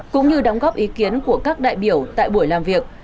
cũng như đóng góp ý kiến của các đại biểu tại buổi làm việc